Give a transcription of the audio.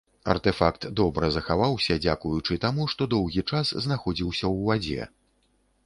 Артэфакт добра захаваўся дзякуючы таму, што доўгі час знаходзіўся ў вадзе.